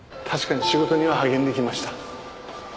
確かに仕事には励んできました。